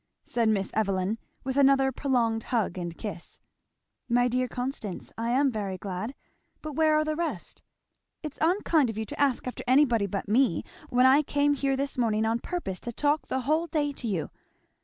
said Miss Evelyn with another prolonged hug and kiss. "My dear Constance! I am very glad But where are the rest?" "It's unkind of you to ask after anybody but me, when I came here this morning on purpose to talk the whole day to you.